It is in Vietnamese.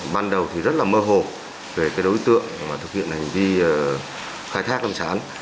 ban đầu thì rất là mơ hồ về đối tượng thực hiện hành vi khai thác làm sáng